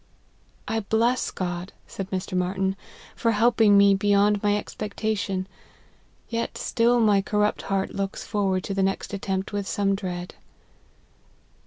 " I bless God," said Mr. Marty n, " for helping me, beyond my expectation. Yet still my corrupt heart looks forward to the next attempt with some dread."